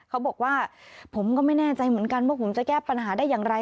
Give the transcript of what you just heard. เขาบอกว่าผมก็ไม่แน่ใจเหมือนกันว่าผมจะแก้ปัญหาได้อย่างไร